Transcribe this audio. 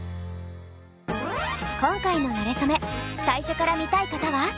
今回の「なれそめ」最初から見たい方は。